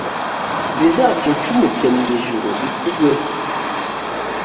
bizacunshumuke mu ijuru bikugweho,